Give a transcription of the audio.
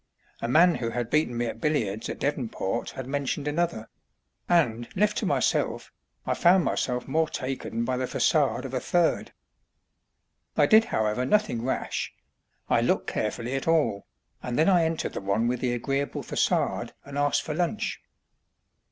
A man who had beaten me at billiards at Devonport had mentioned another; and, left to myself, I found myself more taken by the fa├¦ade of a third. I did, however, nothing rash; I looked carefully at all, and then I entered the one with the agreeable fa├¦ade and asked for lunch.